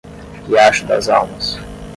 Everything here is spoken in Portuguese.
Riacho das Almas